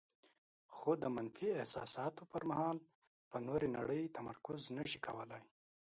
خو د منفي احساساتو پر مهال په نورې نړۍ تمرکز نشي کولای.